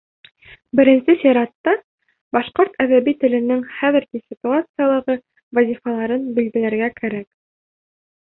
Беренсе сиратта, башҡорт әҙәби теленең хәҙерге ситуациялағы вазифаларын билдәләргә кәрәк.